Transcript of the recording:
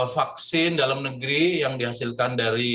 vaksin dalam negeri yang dihasilkan dari